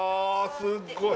すっごい！